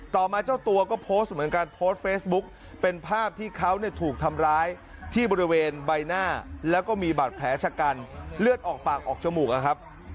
ต่อมาเจ้าตัวก็โพสต์เหมือนกันโพสต์เฟซบุ๊กเป็นภาพที่เขาเนี่ยถูกทำร้ายที่บริเวณใบหน้าแล้วก็มีบาดแผลชะกันเลือดออกปากออกจมูกนะครับ